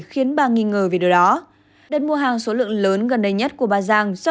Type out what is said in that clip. khiến bà nghi ngờ về điều đó đợt mua hàng số lượng lớn gần đây nhất của bà giang do